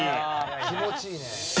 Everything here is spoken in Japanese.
気持ちいいね。